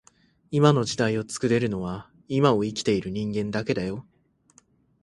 今の時代を作れるのは今を生きている人間だけだよ